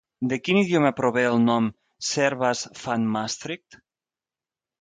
De quin idioma prové el nom Servaas van Maastricht?